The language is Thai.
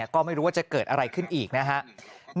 ก็ไม่รู้ว่าจะเกิดอะไรขึ้นอีกนะครับ